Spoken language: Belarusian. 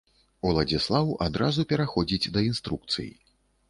Уладзіслаў адразу пераходзіць да інструкцый.